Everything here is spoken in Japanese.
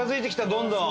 どんどん。